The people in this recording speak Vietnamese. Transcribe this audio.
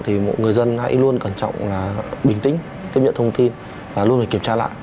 thì mỗi người dân hãy luôn cẩn trọng là bình tĩnh tiếp nhận thông tin và luôn phải kiểm tra lại